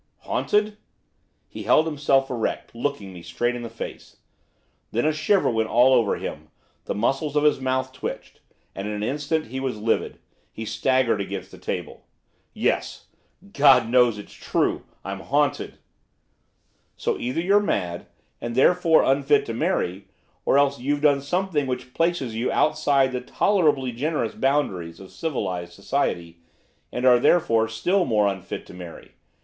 'Haunted?' He held himself erect, looking me straight in the face. Then a shiver went all over him; the muscles of his mouth twitched; and, in an instant, he was livid. He staggered against the table. 'Yes, God knows it's true, I'm haunted.' 'So either you're mad, and therefore unfit to marry; or else you've done something which places you outside the tolerably generous boundaries of civilised society, and are therefore still more unfit to marry.